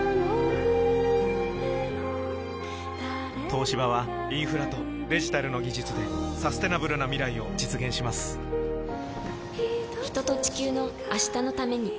東芝はインフラとデジタルの技術でサステナブルな未来を実現します人と、地球の、明日のために。